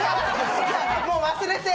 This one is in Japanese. もう忘れて！